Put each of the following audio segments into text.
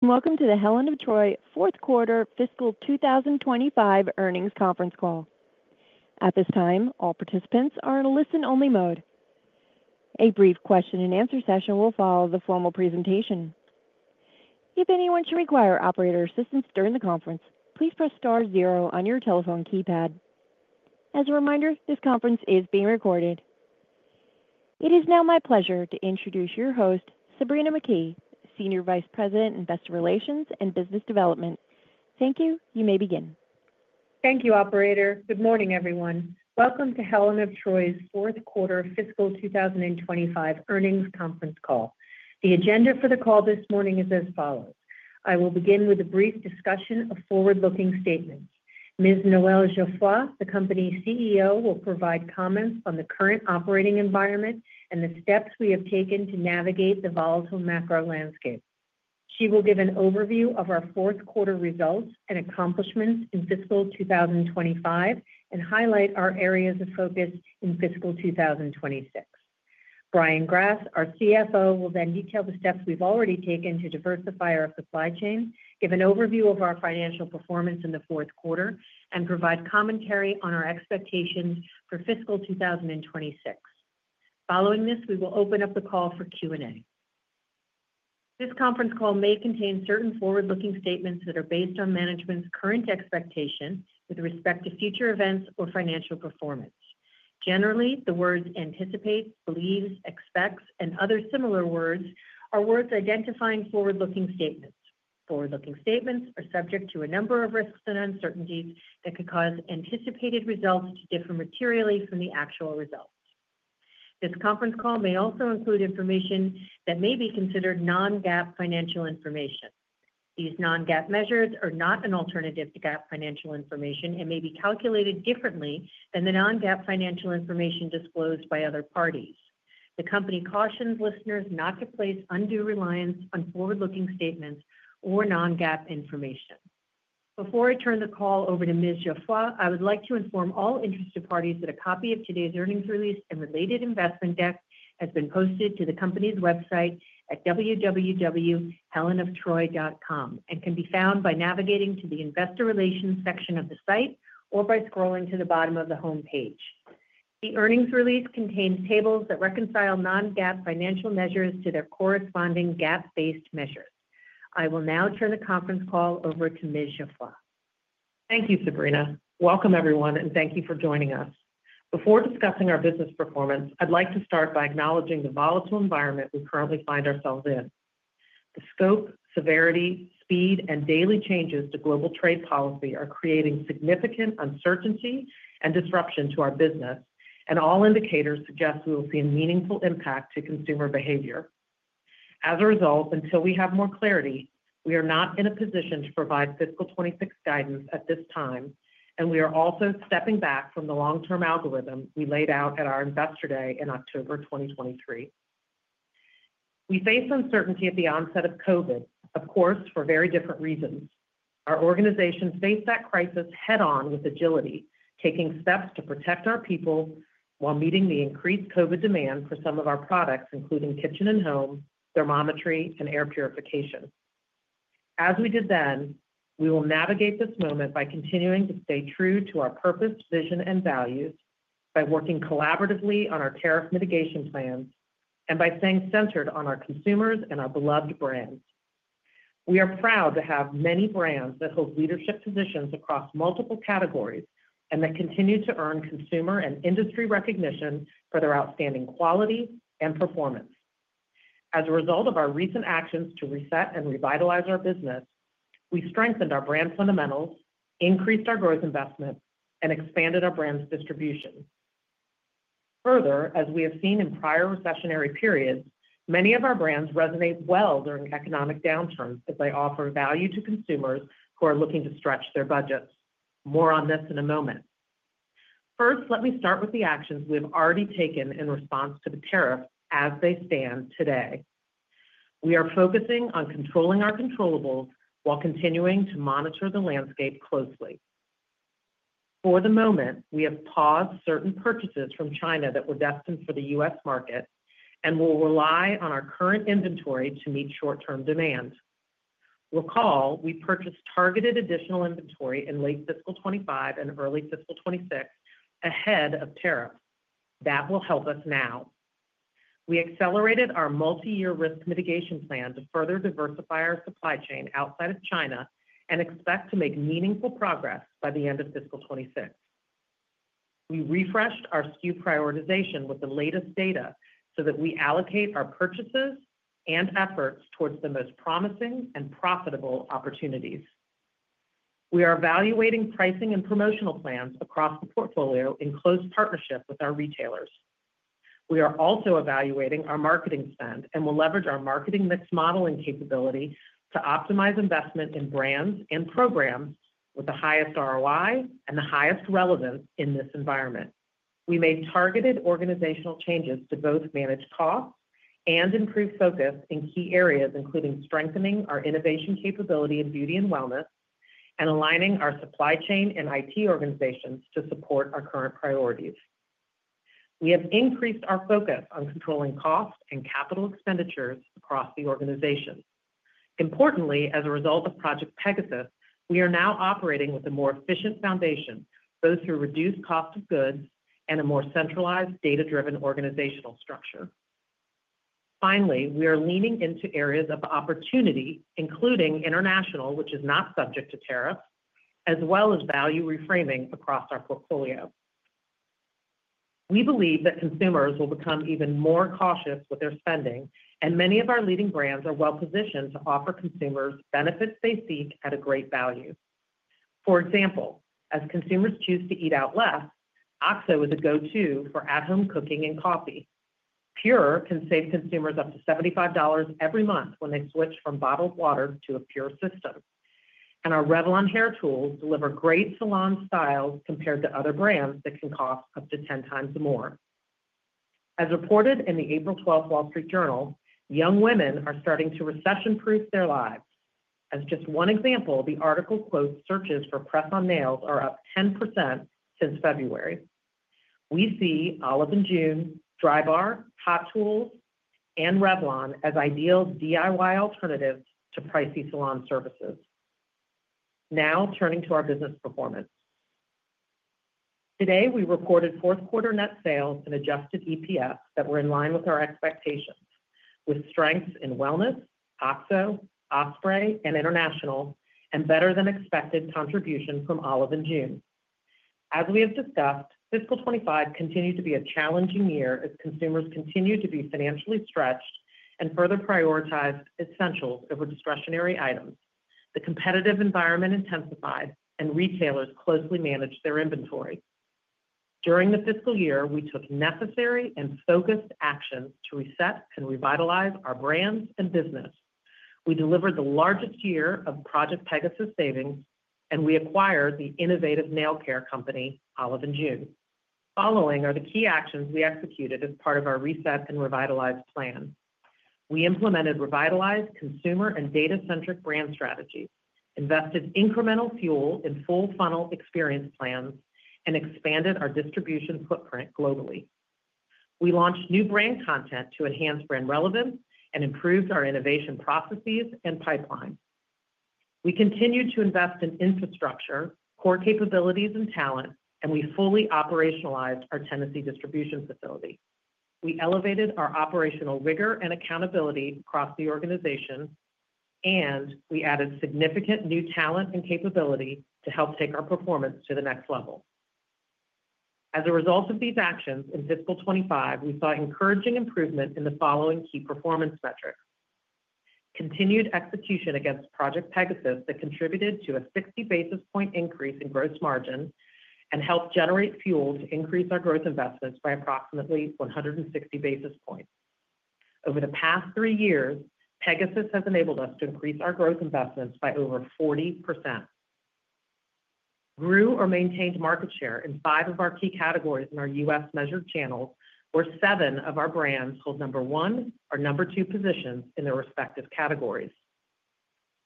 Welcome to the Helen of Troy fourth quarter fiscal 2025 earnings conference call. At this time, all participants are in a listen-only mode. A brief question-and-answer session will follow the formal presentation. If anyone should require operator assistance during the conference, please press star zero on your telephone keypad. As a reminder, this conference is being recorded. It is now my pleasure to introduce your host, Sabrina McKee, Senior Vice President, Investor Relations and Business Development. Thank you. You may begin. Thank you, Operator. Good morning, everyone. Welcome to Helen of Troy's fourth quarter fiscal 2025 earnings conference call. The agenda for the call this morning is as follows. I will begin with a brief discussion of forward-looking statements. Ms. Noel Geoffroy, the company CEO, will provide comments on the current operating environment and the steps we have taken to navigate the volatile macro landscape. She will give an overview of our fourth quarter results and accomplishments in fiscal 2025 and highlight our areas of focus in fiscal 2026. Brian Grass, our CFO, will then detail the steps we've already taken to diversify our supply chain, give an overview of our financial performance in the fourth quarter, and provide commentary on our expectations for fiscal 2026. Following this, we will open up the call for Q&A. This conference call may contain certain forward-looking statements that are based on management's current expectation with respect to future events or financial performance. Generally, the words anticipate, believes, expects, and other similar words are words identifying forward-looking statements. Forward-looking statements are subject to a number of risks and uncertainties that could cause anticipated results to differ materially from the actual results. This conference call may also include information that may be considered non-GAAP financial information. These non-GAAP measures are not an alternative to GAAP financial information and may be calculated differently than the non-GAAP financial information disclosed by other parties. The company cautions listeners not to place undue reliance on forward-looking statements or non-GAAP information. Before I turn the call over to Ms. Geoffroy, I would like to inform all interested parties that a copy of today's earnings release and related investment deck has been posted to the company's website at www.helenoftroy.com and can be found by navigating to the Investor Relations section of the site or by scrolling to the bottom of the homepage. The earnings release contains tables that reconcile non-GAAP financial measures to their corresponding GAAP-based measures. I will now turn the conference call over to Ms. Geoffroy. Thank you, Sabrina. Welcome, everyone, and thank you for joining us. Before discussing our business performance, I'd like to start by acknowledging the volatile environment we currently find ourselves in. The scope, severity, speed, and daily changes to global trade policy are creating significant uncertainty and disruption to our business, and all indicators suggest we will see a meaningful impact to consumer behavior. As a result, until we have more clarity, we are not in a position to provide fiscal 2026 guidance at this time, and we are also stepping back from the long-term algorithm we laid out at our investor day in October 2023. We face uncertainty at the onset of COVID, of course, for very different reasons. Our organization faced that crisis head-on with agility, taking steps to protect our people while meeting the increased COVID demand for some of our products, including kitchen and home, thermometry, and air purification. As we did then, we will navigate this moment by continuing to stay true to our purpose, vision, and values, by working collaboratively on our tariff mitigation plans, and by staying centered on our consumers and our beloved brands. We are proud to have many brands that hold leadership positions across multiple categories and that continue to earn consumer and industry recognition for their outstanding quality and performance. As a result of our recent actions to reset and revitalize our business, we strengthened our brand fundamentals, increased our growth investment, and expanded our brand's distribution. Further, as we have seen in prior recessionary periods, many of our brands resonate well during economic downturns as they offer value to consumers who are looking to stretch their budgets. More on this in a moment. First, let me start with the actions we have already taken in response to the tariffs as they stand today. We are focusing on controlling our controllable while continuing to monitor the landscape closely. For the moment, we have paused certain purchases from China that were destined for the U.S. market and will rely on our current inventory to meet short-term demand. Recall, we purchased targeted additional inventory in late fiscal 2025 and early fiscal 2026 ahead of tariffs. That will help us now. We accelerated our multi-year risk mitigation plan to further diversify our supply chain outside of China and expect to make meaningful progress by the end of fiscal 2026. We refreshed our SKU prioritization with the latest data so that we allocate our purchases and efforts towards the most promising and profitable opportunities. We are evaluating pricing and promotional plans across the portfolio in close partnership with our retailers. We are also evaluating our marketing spend and will leverage our marketing mix modeling capability to optimize investment in brands and programs with the highest ROI and the highest relevance in this environment. We made targeted organizational changes to both manage costs and improve focus in key areas, including strengthening our innovation capability in beauty and wellness, and aligning our supply chain and IT organizations to support our current priorities. We have increased our focus on controlling costs and capital expenditures across the organization. Importantly, as a result of Project Pegasus, we are now operating with a more efficient foundation, both through reduced cost of goods and a more centralized, data-driven organizational structure. Finally, we are leaning into areas of opportunity, including international, which is not subject to tariffs, as well as value reframing across our portfolio. We believe that consumers will become even more cautious with their spending, and many of our leading brands are well positioned to offer consumers benefits they seek at a great value. For example, as consumers choose to eat out less, OXO is a go-to for at-home cooking and coffee. PUR can save consumers up to $75 every month when they switch from bottled water to a PUR system. Our Revlon hair tools deliver great salon styles compared to other brands that can cost up to 10 times more. As reported in the April 12th Wall Street Journal, young women are starting to recession-proof their lives. As just one example, the article quotes searches for press-on nails are up 10% since February. We see Olive & June, Drybar, Hot Tools, and Revlon as ideal DIY alternatives to pricey salon services. Now turning to our business performance. Today, we reported fourth quarter net sales and adjusted EPS that were in line with our expectations, with strengths in wellness, OXO, Osprey, and international, and better than expected contribution from Olive & June. As we have discussed, fiscal 2025 continued to be a challenging year as consumers continued to be financially stretched and further prioritized essentials over discretionary items. The competitive environment intensified, and retailers closely managed their inventory. During the fiscal year, we took necessary and focused actions to reset and revitalize our brands and business. We delivered the largest year of Project Pegasus savings, and we acquired the innovative nail care company, Olive & June. Following are the key actions we executed as part of our reset and revitalized plan. We implemented revitalized consumer and data-centric brand strategies, invested incremental fuel in full-funnel experience plans, and expanded our distribution footprint globally. We launched new brand content to enhance brand relevance and improved our innovation processes and pipeline. We continued to invest in infrastructure, core capabilities, and talent, and we fully operationalized our Tennessee distribution facility. We elevated our operational rigor and accountability across the organization, and we added significant new talent and capability to help take our performance to the next level. As a result of these actions in fiscal 2025, we saw encouraging improvement in the following key performance metrics: continued execution against Project Pegasus that contributed to a 60 basis points increase in gross margin and helped generate fuel to increase our growth investments by approximately 160 basis points. Over the past three years, Pegasus has enabled us to increase our growth investments by over 40%. Grew or maintained market share in five of our key categories in our U.S. measured channels, where seven of our brands hold number one or number two positions in their respective categories.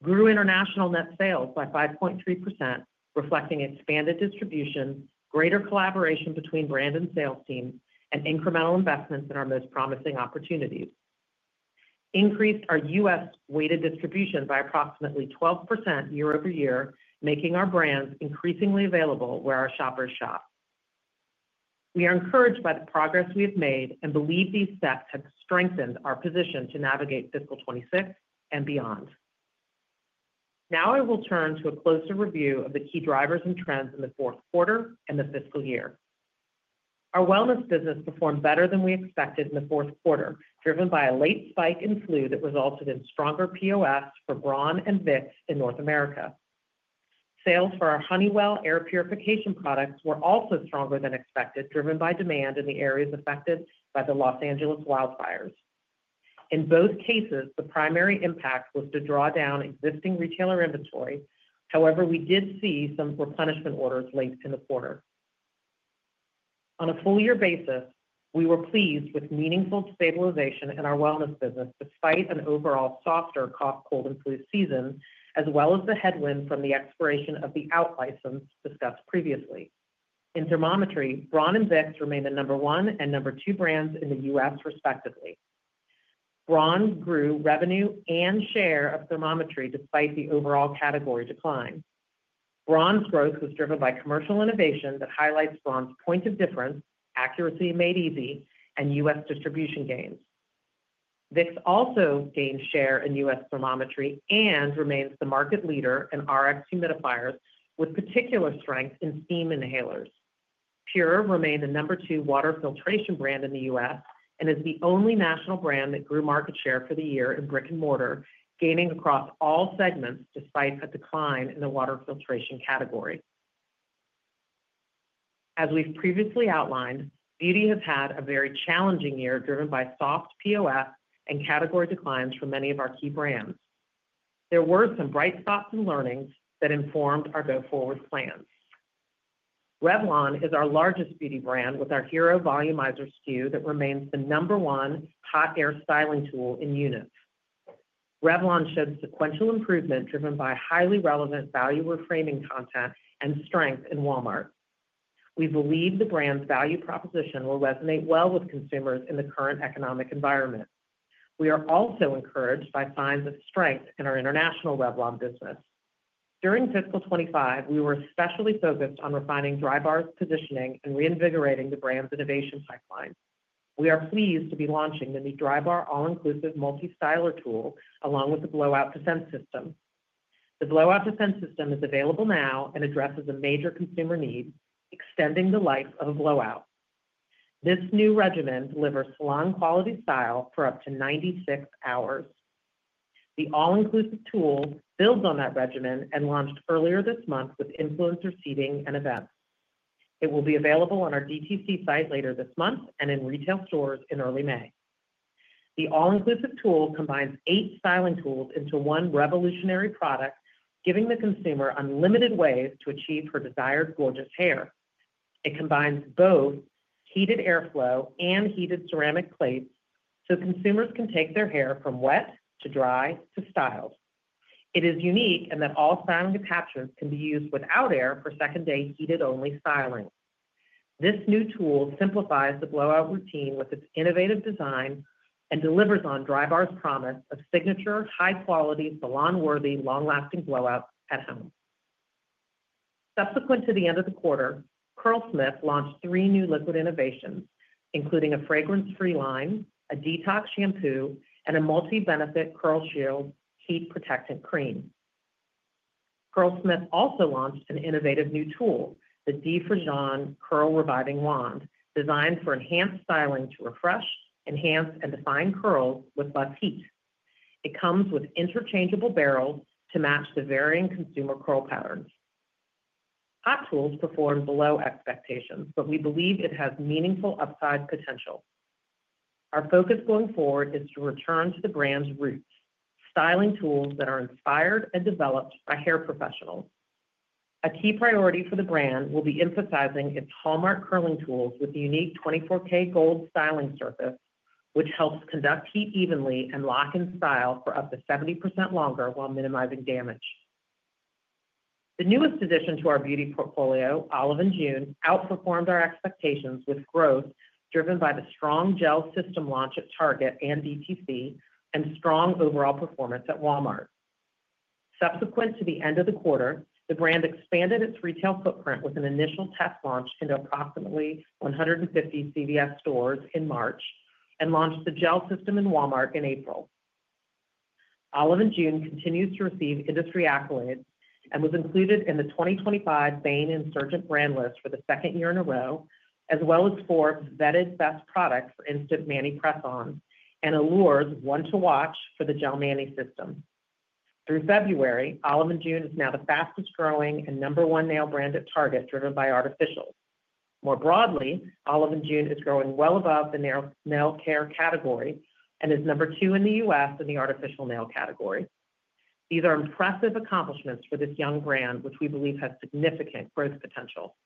Grew international net sales by 5.3%, reflecting expanded distribution, greater collaboration between brand and sales teams, and incremental investments in our most promising opportunities. Increased our U.S. weighted distribution by approximately 12% year-over-year, making our brands increasingly available where our shoppers shop. We are encouraged by the progress we have made and believe these steps have strengthened our position to navigate fiscal 2026 and beyond. Now I will turn to a closer review of the key drivers and trends in the fourth quarter and the fiscal year. Our wellness business performed better than we expected in the fourth quarter, driven by a late spike in flu that resulted in stronger POS for Braun and Vicks in North America. Sales for our Honeywell air purification products were also stronger than expected, driven by demand in the areas affected by the Los Angeles wildfires. In both cases, the primary impact was to draw down existing retailer inventory. However, we did see some replenishment orders late in the quarter. On a full-year basis, we were pleased with meaningful stabilization in our wellness business despite an overall softer cough, cold, and flu season, as well as the headwind from the expiration of the out license discussed previously. In thermometry, Braun and Vicks remain the number one and number two brands in the U.S., respectively. Braun grew revenue and share of thermometry despite the overall category decline. Braun's growth was driven by commercial innovation that highlights Braun's point of difference, accuracy made easy, and U.S. distribution gains. Vicks also gained share in U.S. thermometry and remains the market leader in RX humidifiers, with particular strength in steam inhalers. PUR remained the number two water filtration brand in the U.S. and is the only national brand that grew market share for the year in brick and mortar, gaining across all segments despite a decline in the water filtration category. As we've previously outlined, beauty has had a very challenging year driven by soft POS and category declines for many of our key brands. There were some bright spots and learnings that informed our go forward plans. Revlon is our largest beauty brand with our Hero Volumizer SKU that remains the number one hot air styling tool in units. Revlon showed sequential improvement driven by highly relevant value reframing content and strength in Walmart. We believe the brand's value proposition will resonate well with consumers in the current economic environment. We are also encouraged by signs of strength in our international Revlon business. During fiscal 2025, we were especially focused on refining Drybar's positioning and reinvigorating the brand's innovation pipeline. We are pleased to be launching the new Drybar All-Inclusive Multi-Styler Tool along with the Blowout Defense System. The Blowout Defense System is available now and addresses a major consumer need, extending the life of a blowout. This new regimen delivers salon-quality style for up to 96 hours. The all-inclusive tool builds on that regimen and launched earlier this month with influencer seating and events. It will be available on our DTC site later this month and in retail stores in early May. The all-inclusive tool combines eight styling tools into one revolutionary product, giving the consumer unlimited ways to achieve her desired gorgeous hair. It combines both heated airflow and heated ceramic plates so consumers can take their hair from wet to dry to styled. It is unique in that all styling attachments can be used without air for second-day heated-only styling. This new tool simplifies the blowout routine with its innovative design and delivers on Drybar's promise of signature, high-quality, salon-worthy, long-lasting blowouts at home. Subsequent to the end of the quarter, Curlsmith launched three new liquid innovations, including a fragrance-free line, a detox shampoo, and a multi-benefit curl shield heat protectant cream. Curlsmith also launched an innovative new tool, the Defrizzion Curl Reviving Wand, designed for enhanced styling to refresh, enhance, and define curls with less heat. It comes with interchangeable barrels to match the varying consumer curl patterns. Hot Tools performed below expectations, but we believe it has meaningful upside potential. Our focus going forward is to return to the brand's roots, styling tools that are inspired and developed by hair professionals. A key priority for the brand will be emphasizing its hallmark curling tools with a unique 24K Gold styling surface, which helps conduct heat evenly and lock in style for up to 70% longer while minimizing damage. The newest addition to our beauty portfolio, Olive & June, outperformed our expectations with growth driven by the strong gel system launch at Target and DTC and strong overall performance at Walmart. Subsequent to the end of the quarter, the brand expanded its retail footprint with an initial test launch into approximately 150 CVS stores in March and launched the gel system in Walmart in April. Olive & June continues to receive industry accolades and was included in the 2025 Bain Insurgent brand list for the second year in a row, as well as Forbes Vetted best product for Instant Mani press-ons and Allure's one-to-watch for the Gel Mani system. Through February, Olive & June is now the fastest growing and number one nail brand at Target driven by artificials. More broadly, Olive & June is growing well above the nail care category and is number two in the U.S. in the artificial nail category. These are impressive accomplishments for this young brand, which we believe has significant growth potential.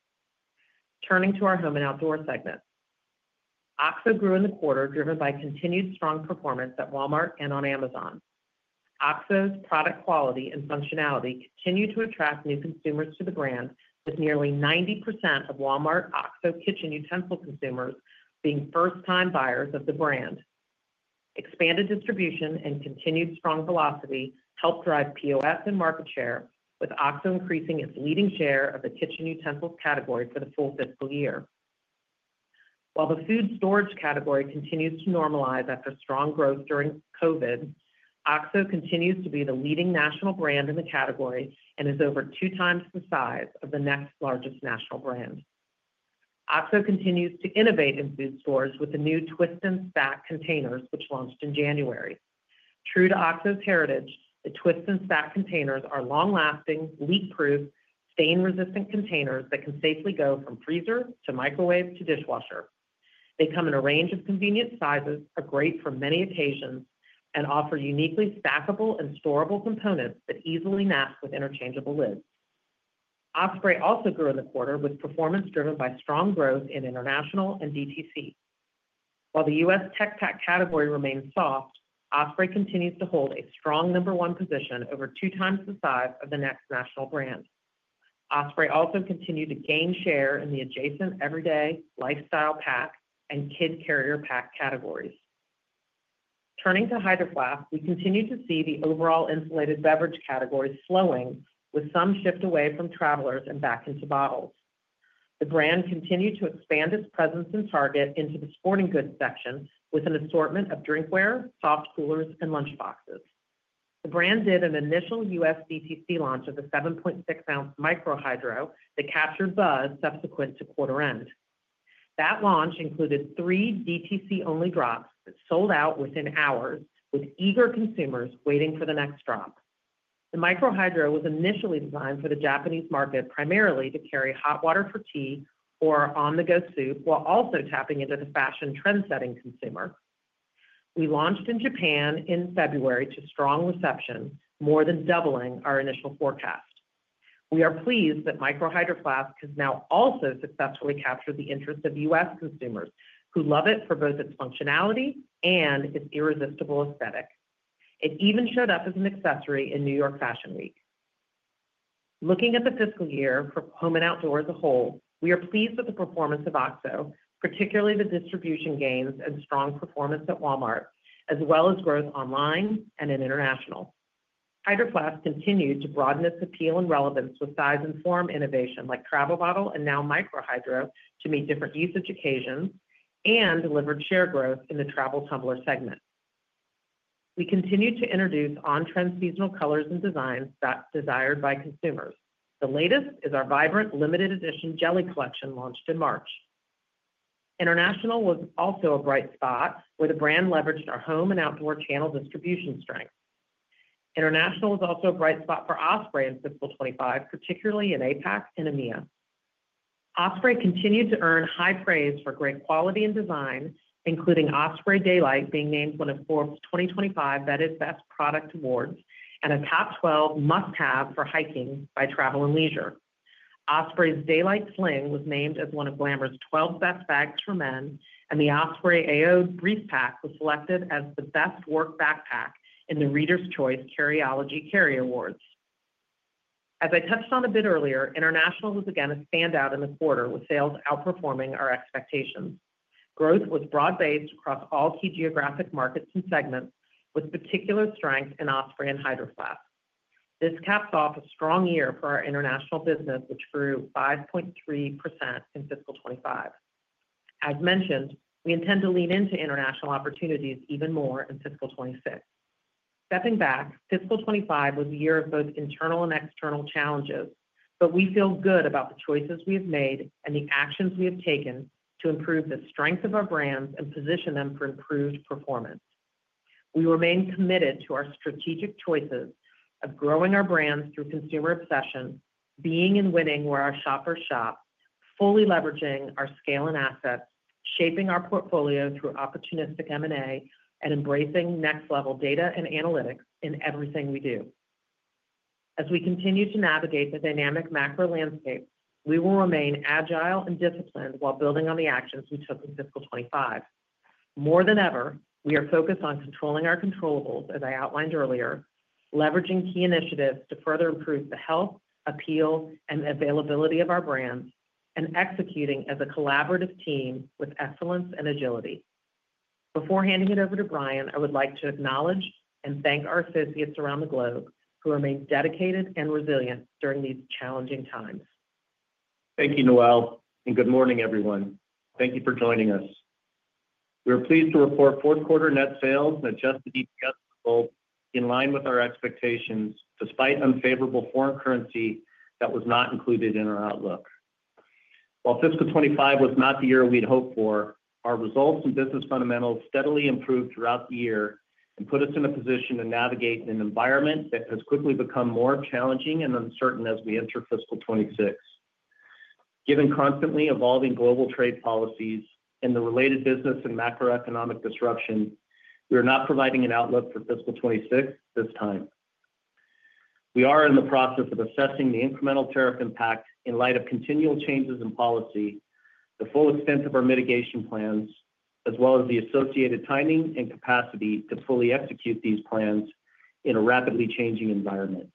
Turning to our Home and Outdoor segment, OXO grew in the quarter driven by continued strong performance at Walmart and on Amazon. OXO's product quality and functionality continue to attract new consumers to the brand, with nearly 90% of Walmart OXO kitchen utensil consumers being first-time buyers of the brand. Expanded distribution and continued strong velocity helped drive POS and market share, with OXO increasing its leading share of the kitchen utensils category for the full fiscal year. While the food storage category continues to normalize after strong growth during COVID, OXO continues to be the leading national brand in the category and is over two times the size of the next largest national brand. OXO continues to innovate in food storage with the new Twist & Stack containers, which launched in January. True to OXO's heritage, the Twist & Stack containers are long-lasting, leak-proof, stain-resistant containers that can safely go from freezer to microwave to dishwasher. They come in a range of convenient sizes, are great for many occasions, and offer uniquely stackable and storable components that easily match with interchangeable lids. Osprey also grew in the quarter with performance driven by strong growth in international and DTC. While the U.S. tech pack category remains soft, Osprey continues to hold a strong number one position over two times the size of the next national brand. Osprey also continued to gain share in the adjacent everyday lifestyle pack and kid carrier pack categories. Turning to Hydro Flask, we continue to see the overall insulated beverage category slowing, with some shift away from travelers and back into bottles. The brand continued to expand its presence in Target into the sporting goods section with an assortment of drinkware, soft coolers, and lunchboxes. The brand did an initial U.S. DTC launch of the 7.6-ounce Micro Hydro that captured buzz subsequent to quarter-end. That launch included three DTC-only drops that sold out within hours, with eager consumers waiting for the next drop. The Micro Hydro was initially designed for the Japanese market primarily to carry hot water for tea or on-the-go soup, while also tapping into the fashion trendsetting consumer. We launched in Japan in February to strong reception, more than doubling our initial forecast. We are pleased that Micro Hydro Flask has now also successfully captured the interest of U.S. consumers who love it for both its functionality and its irresistible aesthetic. It even showed up as an accessory in New York Fashion Week. Looking at the fiscal year for Home and Outdoor as a whole, we are pleased with the performance of OXO, particularly the distribution gains and strong performance at Walmart, as well as growth online and in international. Hydro Flask continued to broaden its appeal and relevance with size and form innovation like Travel Bottle and now Micro Hydro to meet different usage occasions and delivered share growth in the travel tumbler segment. We continue to introduce on-trend seasonal colors and designs desired by consumers. The latest is our vibrant limited edition Jelly Collection launched in March. International was also a bright spot where the brand leveraged our Home and Outdoor channel distribution strength. International was also a bright spot for Osprey in fiscal 2025, particularly in APAC and EMEA. Osprey continued to earn high praise for great quality and design, including Osprey Daylite being named one of Forbes 2025 vetted best product awards and a top 12 must-have for hiking by Travel and Leisure. Osprey's Daylite Sling was named as one of Glamour's 12 best bags for men, and the Osprey Aoede Briefpack was selected as the best work backpack in the Readers' Choice Carryology Carry Awards. As I touched on a bit earlier, international was again a standout in the quarter, with sales outperforming our expectations. Growth was broad-based across all key geographic markets and segments, with particular strength in Osprey and Hydro Flask. This caps off a strong year for our international business, which grew 5.3% in fiscal 2025. As mentioned, we intend to lean into international opportunities even more in fiscal 2026. Stepping back, fiscal 2025 was a year of both internal and external challenges, but we feel good about the choices we have made and the actions we have taken to improve the strength of our brands and position them for improved performance. We remain committed to our strategic choices of growing our brands through consumer obsession, being and winning where our shoppers shop, fully leveraging our scale and assets, shaping our portfolio through opportunistic M&A, and embracing next-level data and analytics in everything we do. As we continue to navigate the dynamic macro landscape, we will remain agile and disciplined while building on the actions we took in fiscal 2025. More than ever, we are focused on controlling our controllables as I outlined earlier, leveraging key initiatives to further improve the health, appeal, and availability of our brands, and executing as a collaborative team with excellence and agility. Before handing it over to Brian, I would like to acknowledge and thank our associates around the globe who remain dedicated and resilient during these challenging times. Thank you, Noel, and good morning, everyone. Thank you for joining us. We are pleased to report fourth quarter net sales and adjusted EPS result in line with our expectations despite unfavorable foreign currency that was not included in our outlook. While fiscal 2025 was not the year we'd hoped for, our results and business fundamentals steadily improved throughout the year and put us in a position to navigate an environment that has quickly become more challenging and uncertain as we enter fiscal 2026. Given constantly evolving global trade policies and the related business and macroeconomic disruption, we are not providing an outlook for fiscal 2026 this time. We are in the process of assessing the incremental tariff impact in light of continual changes in policy, the full extent of our mitigation plans, as well as the associated timing and capacity to fully execute these plans in a rapidly changing environment.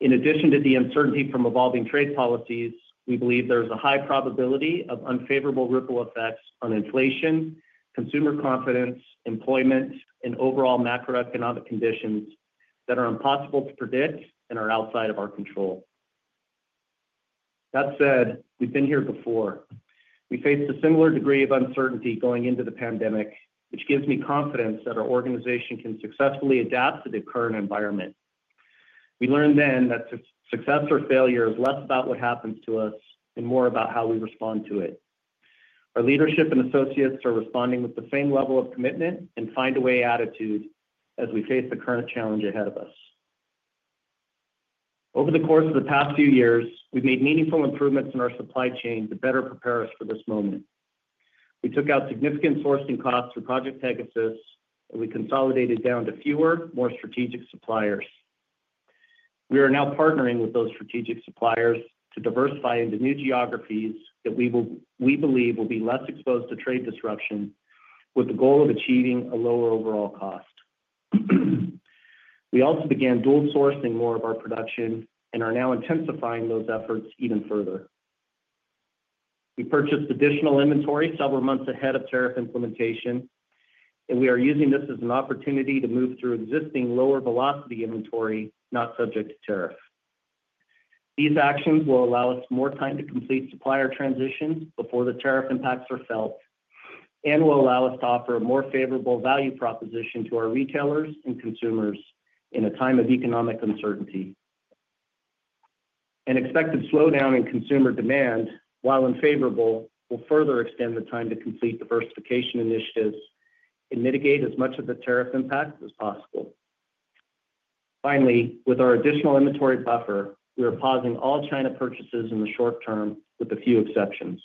In addition to the uncertainty from evolving trade policies, we believe there is a high probability of unfavorable ripple effects on inflation, consumer confidence, employment, and overall macroeconomic conditions that are impossible to predict and are outside of our control. That said, we've been here before. We faced a similar degree of uncertainty going into the pandemic, which gives me confidence that our organization can successfully adapt to the current environment. We learned then that success or failure is less about what happens to us and more about how we respond to it. Our leadership and associates are responding with the same level of commitment and find-a-way attitude as we face the current challenge ahead of us. Over the course of the past few years, we've made meaningful improvements in our supply chain to better prepare us for this moment. We took out significant sourcing costs through Project Pegasus, and we consolidated down to fewer, more strategic suppliers. We are now partnering with those strategic suppliers to diversify into new geographies that we believe will be less exposed to trade disruption, with the goal of achieving a lower overall cost. We also began dual sourcing more of our production and are now intensifying those efforts even further. We purchased additional inventory several months ahead of tariff implementation, and we are using this as an opportunity to move through existing lower velocity inventory not subject to tariff. These actions will allow us more time to complete supplier transitions before the tariff impacts are felt and will allow us to offer a more favorable value proposition to our retailers and consumers in a time of economic uncertainty. An expected slowdown in consumer demand, while unfavorable, will further extend the time to complete diversification initiatives and mitigate as much of the tariff impact as possible. Finally, with our additional inventory buffer, we are pausing all China purchases in the short term with a few exceptions.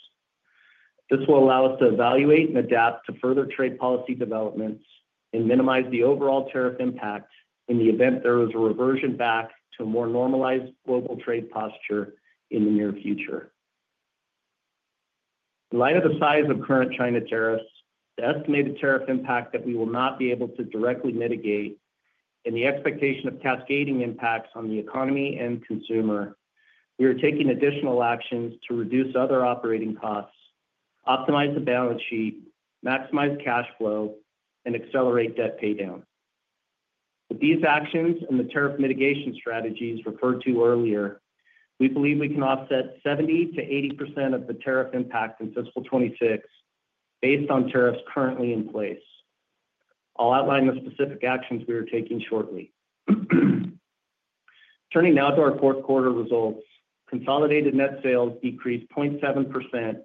This will allow us to evaluate and adapt to further trade policy developments and minimize the overall tariff impact in the event there is a reversion back to a more normalized global trade posture in the near future. In light of the size of current China tariffs, the estimated tariff impact that we will not be able to directly mitigate, and the expectation of cascading impacts on the economy and consumer, we are taking additional actions to reduce other operating costs, optimize the balance sheet, maximize cash flow, and accelerate debt paydown. With these actions and the tariff mitigation strategies referred to earlier, we believe we can offset 70%-80% of the tariff impact in fiscal 2026 based on tariffs currently in place. I'll outline the specific actions we are taking shortly. Turning now to our fourth quarter results, consolidated net sales decreased 0.7%,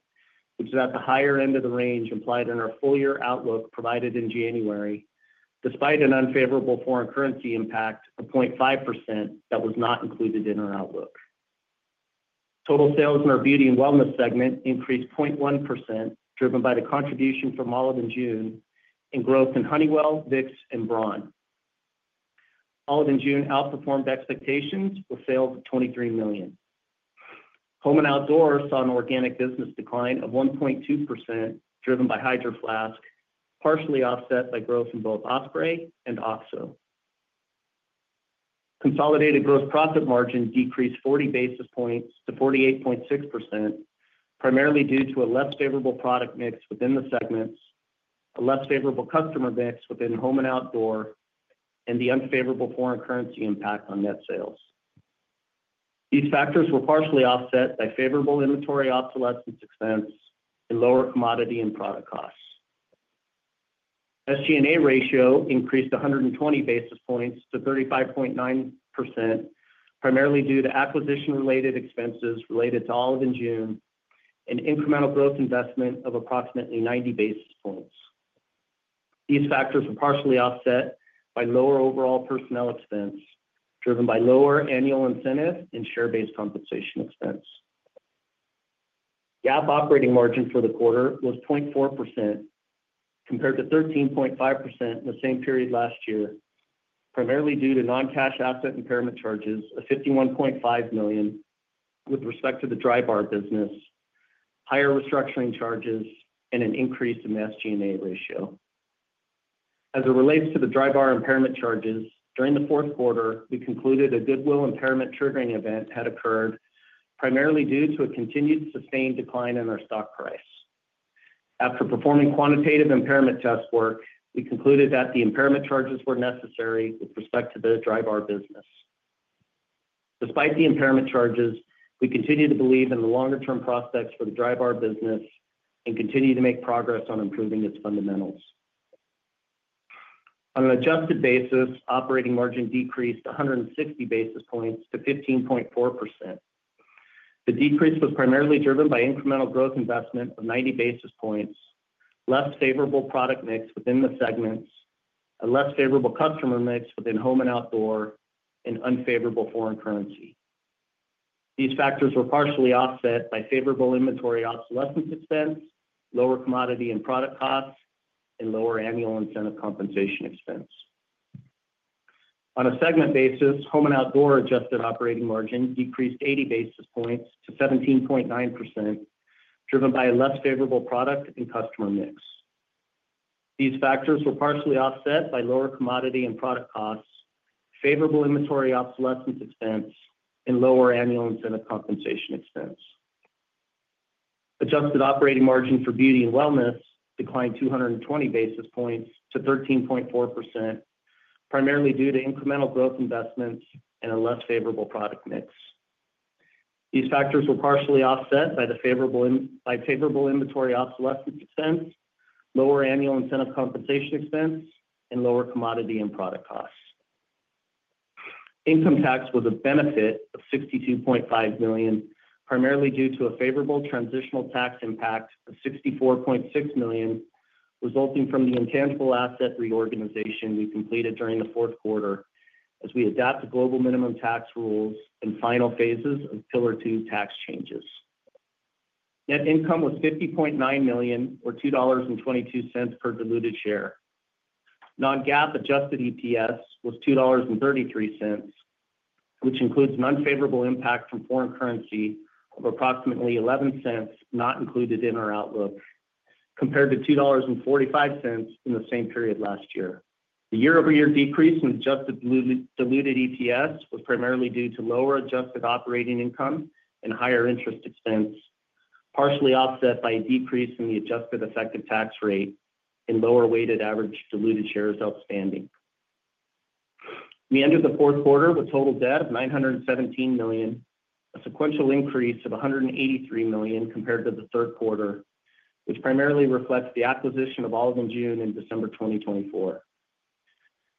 which is at the higher end of the range implied in our full year outlook provided in January, despite an unfavorable foreign currency impact of 0.5% that was not included in our outlook. Total sales in our beauty and wellness segment increased 0.1%, driven by the contribution from Olive & June and growth in Honeywell, Vicks, and Braun. Olive & June outperformed expectations with sales of $23 million. Home and Outdoor saw an organic business decline of 1.2%, driven by Hydro Flask, partially offset by growth in both Osprey and OXO. Consolidated gross profit margin decreased 40 basis points to 48.6%, primarily due to a less favorable product mix within the segments, a less favorable customer mix within Home and Outdoor, and the unfavorable foreign currency impact on net sales. These factors were partially offset by favorable inventory obsolescence expense and lower commodity and product costs. SG&A ratio increased 120 basis points to 35.9%, primarily due to acquisition-related expenses related to Olive & June and incremental growth investment of approximately 90 basis points. These factors were partially offset by lower overall personnel expense, driven by lower annual incentive and share-based compensation expense. GAAP operating margin for the quarter was 0.4%, compared to 13.5% in the same period last year, primarily due to non-cash asset impairment charges of $51.5 million with respect to the Drybar business, higher restructuring charges, and an increase in the SG&A ratio. As it relates to the Drybar impairment charges, during the fourth quarter, we concluded a goodwill impairment triggering event had occurred, primarily due to a continued sustained decline in our stock price. After performing quantitative impairment test work, we concluded that the impairment charges were necessary with respect to the Drybar business. Despite the impairment charges, we continue to believe in the longer-term prospects for the Drybar business and continue to make progress on improving its fundamentals. On an adjusted basis, operating margin decreased 160 basis points to 15.4%. The decrease was primarily driven by incremental growth investment of 90 basis points, less favorable product mix within the segments, a less favorable customer mix within Home and Outdoor, and unfavorable foreign currency. These factors were partially offset by favorable inventory obsolescence expense, lower commodity and product costs, and lower annual incentive compensation expense. On a segment basis, Home and Outdoor adjusted operating margin decreased 80 basis points to 17.9%, driven by a less favorable product and customer mix. These factors were partially offset by lower commodity and product costs, favorable inventory obsolescence expense, and lower annual incentive compensation expense. Adjusted operating margin for beauty and wellness declined 220 basis points to 13.4%, primarily due to incremental growth investments and a less favorable product mix. These factors were partially offset by favorable inventory obsolescence expense, lower annual incentive compensation expense, and lower commodity and product costs. Income tax was a benefit of $62.5 million, primarily due to a favorable transitional tax impact of $64.6 million, resulting from the intangible asset reorganization we completed during the fourth quarter as we adapt to global minimum tax rules and final phases of Pillar Two tax changes. Net income was $50.9 million, or $2.22 per diluted share. Non-GAAP adjusted EPS was $2.33, which includes an unfavorable impact from foreign currency of approximately $0.11 not included in our outlook, compared to $2.45 in the same period last year. The year-over-year decrease in adjusted diluted EPS was primarily due to lower adjusted operating income and higher interest expense, partially offset by a decrease in the adjusted effective tax rate and lower weighted average diluted shares outstanding. We entered the fourth quarter with total debt of $917 million, a sequential increase of $183 million compared to the third quarter, which primarily reflects the acquisition of Olive & June in December 2024.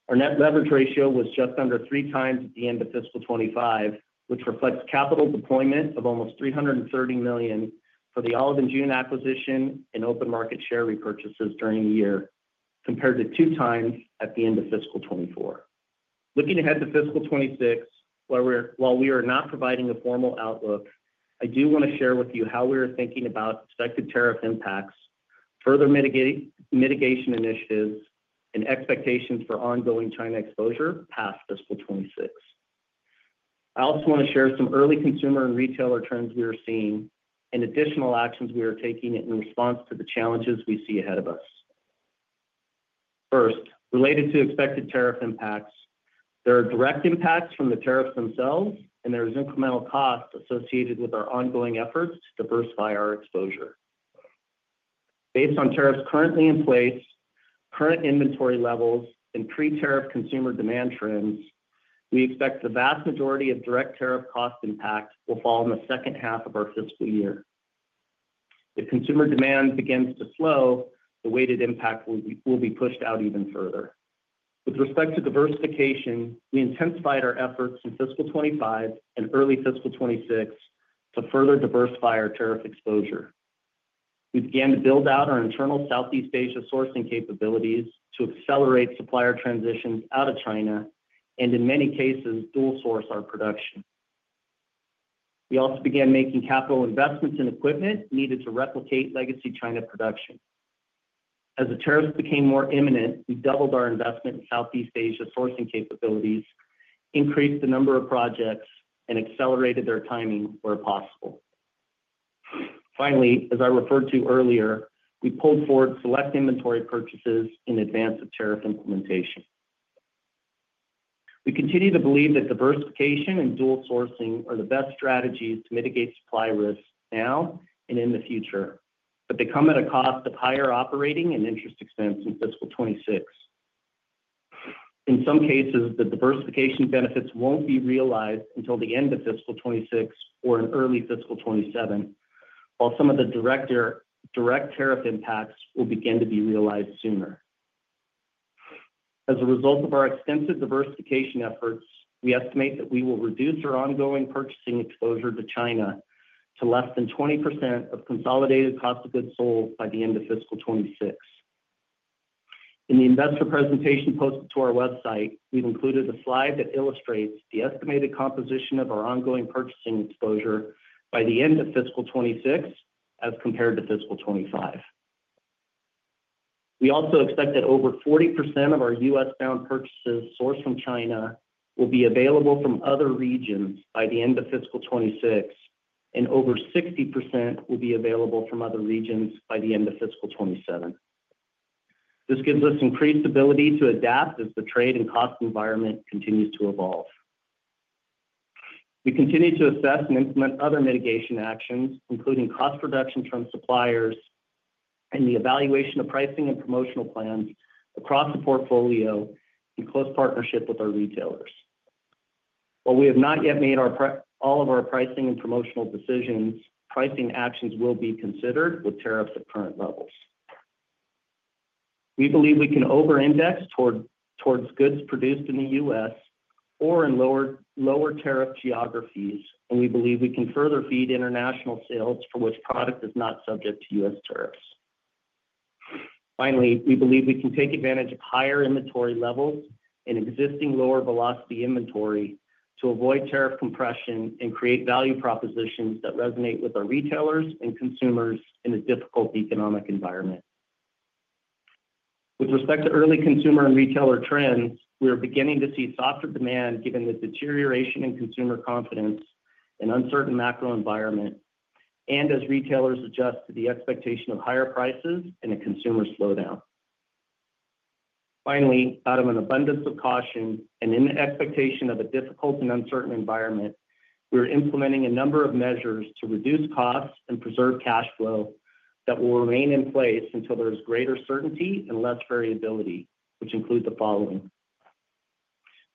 Our net leverage ratio was just under three times at the end of fiscal 2025, which reflects capital deployment of almost $330 million for the Olive & June acquisition and open market share repurchases during the year, compared to two times at the end of fiscal 2024. Looking ahead to fiscal 2026, while we are not providing a formal outlook, I do want to share with you how we are thinking about expected tariff impacts, further mitigation initiatives, and expectations for ongoing China exposure past fiscal 2026. I also want to share some early consumer and retailer trends we are seeing and additional actions we are taking in response to the challenges we see ahead of us. First, related to expected tariff impacts, there are direct impacts from the tariffs themselves, and there is incremental cost associated with our ongoing efforts to diversify our exposure. Based on tariffs currently in place, current inventory levels, and pre-tariff consumer demand trends, we expect the vast majority of direct tariff cost impact will fall in the second half of our fiscal year. If consumer demand begins to slow, the weighted impact will be pushed out even further. With respect to diversification, we intensified our efforts in fiscal 2025 and early fiscal 2026 to further diversify our tariff exposure. We began to build out our internal Southeast Asia sourcing capabilities to accelerate supplier transitions out of China and, in many cases, dual source our production. We also began making capital investments in equipment needed to replicate legacy China production. As the tariffs became more imminent, we doubled our investment in Southeast Asia sourcing capabilities, increased the number of projects, and accelerated their timing where possible. Finally, as I referred to earlier, we pulled forward select inventory purchases in advance of tariff implementation. We continue to believe that diversification and dual sourcing are the best strategies to mitigate supply risks now and in the future, but they come at a cost of higher operating and interest expense in fiscal 2026. In some cases, the diversification benefits will not be realized until the end of fiscal 2026 or in early fiscal 2027, while some of the direct tariff impacts will begin to be realized sooner. As a result of our extensive diversification efforts, we estimate that we will reduce our ongoing purchasing exposure to China to less than 20% of consolidated cost of goods sold by the end of fiscal 2026. In the investor presentation posted to our website, we have included a slide that illustrates the estimated composition of our ongoing purchasing exposure by the end of fiscal 2026 as compared to fiscal 2025. We also expect that over 40% of our U.S.-bound purchases sourced from China will be available from other regions by the end of fiscal 2026, and over 60% will be available from other regions by the end of fiscal 2027. This gives us increased ability to adapt as the trade and cost environment continues to evolve. We continue to assess and implement other mitigation actions, including cost reduction from suppliers and the evaluation of pricing and promotional plans across the portfolio in close partnership with our retailers. While we have not yet made all of our pricing and promotional decisions, pricing actions will be considered with tariffs at current levels. We believe we can over-index towards goods produced in the U.S. or in lower tariff geographies, and we believe we can further feed international sales for which product is not subject to U.S. tariffs. Finally, we believe we can take advantage of higher inventory levels and existing lower velocity inventory to avoid tariff compression and create value propositions that resonate with our retailers and consumers in a difficult economic environment. With respect to early consumer and retailer trends, we are beginning to see softer demand given the deterioration in consumer confidence and uncertain macro environment, and as retailers adjust to the expectation of higher prices and a consumer slowdown. Finally, out of an abundance of caution and in the expectation of a difficult and uncertain environment, we are implementing a number of measures to reduce costs and preserve cash flow that will remain in place until there is greater certainty and less variability, which include the following: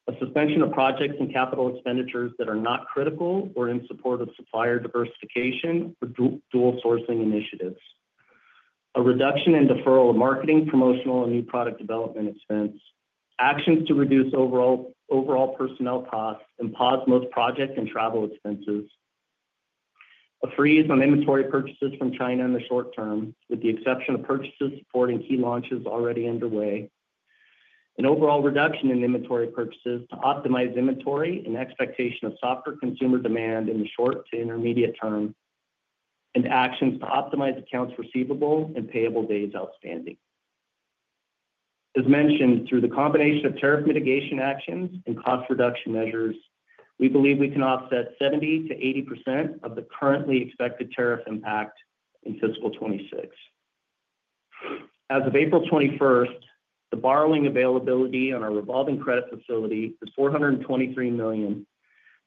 a suspension of projects and capital expenditures that are not critical or in support of supplier diversification or dual sourcing initiatives, a reduction and deferral of marketing, promotional, and new product development expense, actions to reduce overall personnel costs and pause most project and travel expenses, a freeze on inventory purchases from China in the short term, with the exception of purchases supporting key launches already underway, an overall reduction in inventory purchases to optimize inventory and expectation of softer consumer demand in the short to intermediate term, and actions to optimize accounts receivable and payable days outstanding. As mentioned, through the combination of tariff mitigation actions and cost reduction measures, we believe we can offset 70%-80% of the currently expected tariff impact in fiscal 2026. As of April 21st, the borrowing availability on our revolving credit facility is $423 million.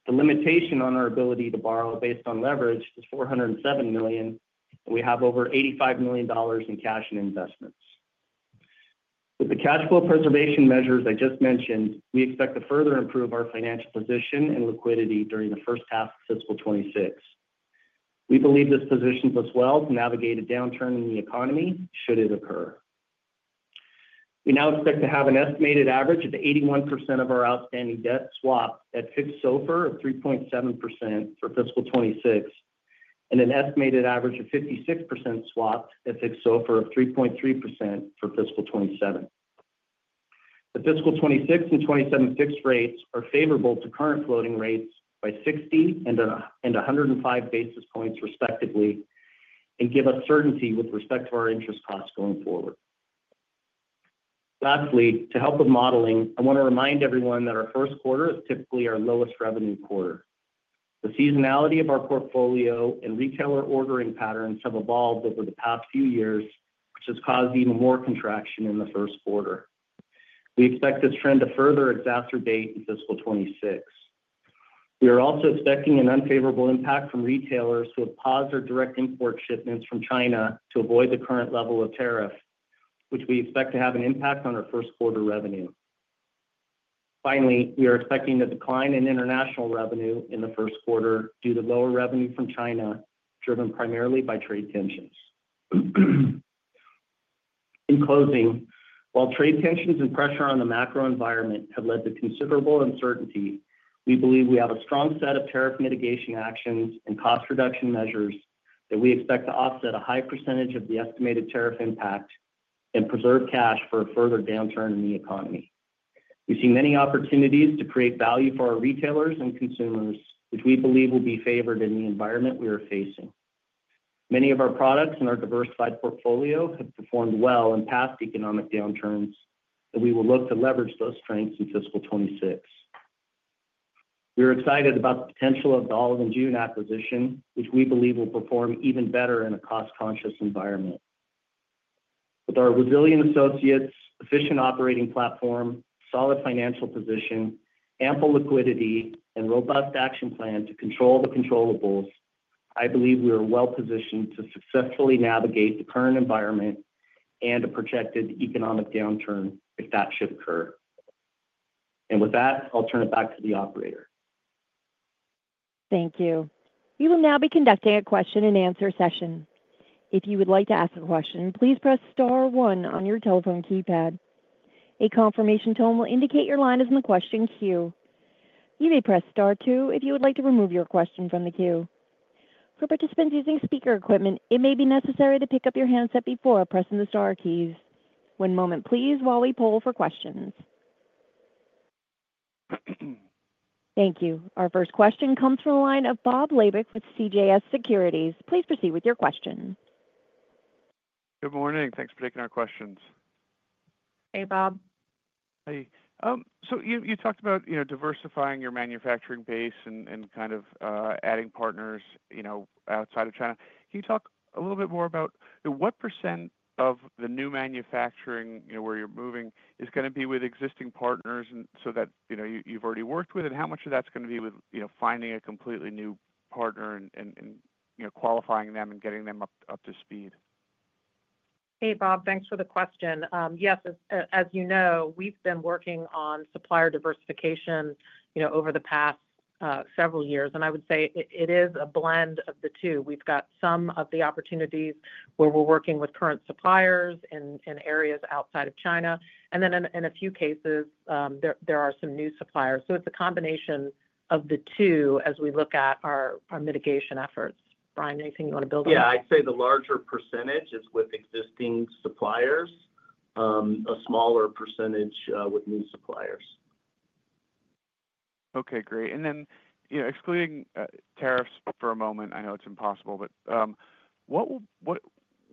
The limitation on our ability to borrow based on leverage is $407 million, and we have over $85 million in cash and investments. With the cash flow preservation measures I just mentioned, we expect to further improve our financial position and liquidity during the first half of fiscal 2026. We believe this positions us well to navigate a downturn in the economy should it occur. We now expect to have an estimated average of 81% of our outstanding debt swapped at fixed SOFR of 3.7% for fiscal 2026 and an estimated average of 56% swapped at fixed SOFR of 3.3% for fiscal 2027. The fiscal 2026 and 2027 fixed rates are favorable to current floating rates by 60 and 105 basis points, respectively, and give us certainty with respect to our interest costs going forward. Lastly, to help with modeling, I want to remind everyone that our first quarter is typically our lowest revenue quarter. The seasonality of our portfolio and retailer ordering patterns have evolved over the past few years, which has caused even more contraction in the first quarter. We expect this trend to further exacerbate in fiscal 2026. We are also expecting an unfavorable impact from retailers who have paused their direct import shipments from China to avoid the current level of tariff, which we expect to have an impact on our first quarter revenue. Finally, we are expecting a decline in international revenue in the first quarter due to lower revenue from China, driven primarily by trade tensions. In closing, while trade tensions and pressure on the macro environment have led to considerable uncertainty, we believe we have a strong set of tariff mitigation actions and cost reduction measures that we expect to offset a high percentage of the estimated tariff impact and preserve cash for a further downturn in the economy. We see many opportunities to create value for our retailers and consumers, which we believe will be favored in the environment we are facing. Many of our products in our diversified portfolio have performed well in past economic downturns, and we will look to leverage those strengths in fiscal 2026. We are excited about the potential of the Olive & June acquisition, which we believe will perform even better in a cost-conscious environment. With our resilient associates, efficient operating platform, solid financial position, ample liquidity, and robust action plan to control the controllables, I believe we are well positioned to successfully navigate the current environment and a projected economic downturn if that should occur. I will turn it back to the operator. Thank you. You will now be conducting a question-and-answer session. If you would like to ask a question, please press star one on your telephone keypad. A confirmation tone will indicate your line is in the question queue. You may press star two if you would like to remove your question from the queue. For participants using speaker equipment, it may be necessary to pick up your handset before pressing the star keys. One moment, please, while we poll for questions. Thank you. Our first question comes from the line of Bob Labick with CJS Securities. Please proceed with your question. Good morning. Thanks for taking our questions. Hey, Bob. Hey. You talked about diversifying your manufacturing base and kind of adding partners outside of China. Can you talk a little bit more about what percent of the new manufacturing where you're moving is going to be with existing partners that you've already worked with, and how much of that's going to be with finding a completely new partner and qualifying them and getting them up to speed? Hey, Bob. Thanks for the question. Yes, as you know, we've been working on supplier diversification over the past several years, and I would say it is a blend of the two. We've got some of the opportunities where we're working with current suppliers in areas outside of China, and then in a few cases, there are some new suppliers. It is a combination of the two as we look at our mitigation efforts. Brian, anything you want to build on? Yeah. I'd say the larger percentage is with existing suppliers, a smaller percentage with new suppliers. Okay. Great. Excluding tariffs for a moment, I know it's impossible, but what